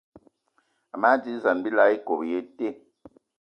Ama dínzan bilam íkob í yé í te